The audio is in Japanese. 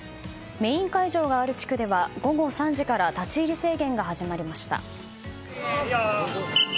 メイン会場がある地区では午後３時から立ち入り制限が始まりました。